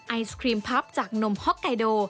ไอศครีมพับจากนมฮ็อกไกโด